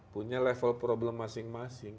punya level problem masing masing